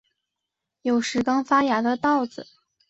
有时刚发芽的稻子